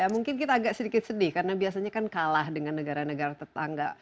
mungkin kita agak sedikit sedih karena biasanya kan kalah dengan negara negara tetangga